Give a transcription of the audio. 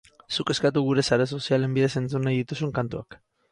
Zuk eskatu gure sare sozialen bidez entzun nahi dituzun kantuak!